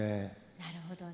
なるほどね。